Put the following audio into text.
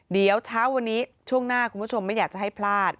เดี๋ยวเช้าวันนี้ช่วงหน้าคุณผู้ชมไม่อยากจะให้พลาด